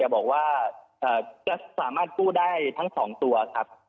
บอกว่าจะสามารถกู้ได้ทั้ง๒ตัวครับ